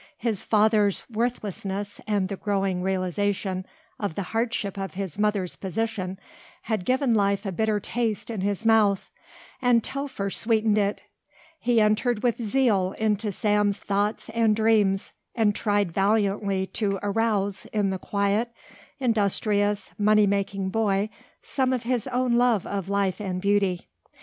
His father's worthlessness and the growing realisation of the hardship of his mother's position had given life a bitter taste in his mouth, and Telfer sweetened it. He entered with zeal into Sam's thoughts and dreams, and tried valiantly to arouse in the quiet, industrious, money making boy some of his own love of life and beauty.